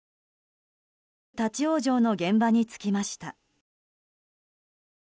立ち往生の現場に着きました。